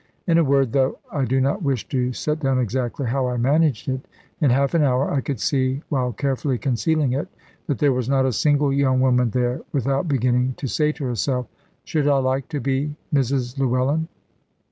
In a word, though I do not wish to set down exactly how I managed it, in half an hour I could see, while carefully concealing it, that there was not a single young woman there without beginning to say to herself, "Should I like to be Mrs Llewellyn?"